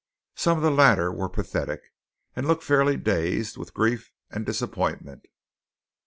Some of the latter were pathetic, and looked fairly dazed with grief and disappointment.